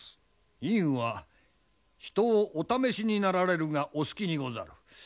院は人をお試しになられるがお好きにござる。